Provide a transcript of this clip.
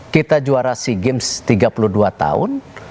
kita juara sea games tiga puluh dua tahun